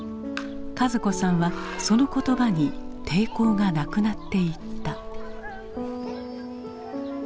一子さんはその言葉に抵抗がなくなっていった。